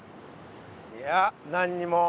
いや何にも。